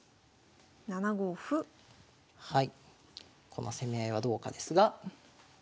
この攻め合いはどうかですが。